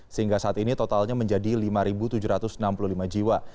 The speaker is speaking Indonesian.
sehingga saat ini totalnya menjadi lima tujuh ratus enam puluh lima jiwa